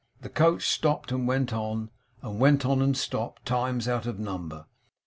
The coach stopped and went on, and went on and stopped, times out of number.